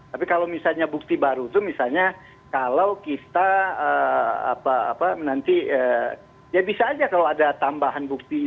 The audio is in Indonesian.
tapi kalau misalnya bukti baru itu misalnya kalau kita nanti ya bisa aja kalau ada tambahan bukti